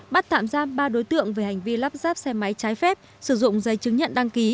bắt tạm giam ba đối tượng về hành vi lắp ráp xe máy trái phép sử dụng giấy chứng nhận đăng ký